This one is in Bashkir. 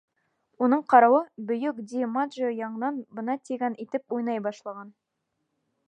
Уның ҡарауы, бөйөк Ди Маджио яңынан бына тигән итеп уйнай башлаған.